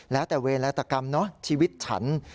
แล้วแต่เวรตกรรมเนอะชีวิตฉัน